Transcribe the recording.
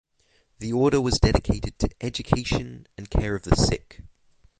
The order was dedicated to education and care of the sick.